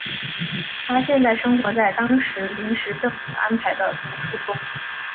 他现在生活在当时临时政府安排的龙树宫。